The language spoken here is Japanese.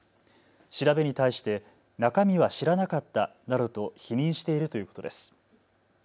調べに対して中身は知らなかったなどと否認しているということです。